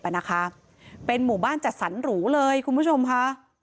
อ่ะนะคะเป็นหมู่บ้านจัดสรรหรูเลยคุณผู้ชมค่ะ